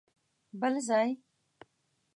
بل ځای؟!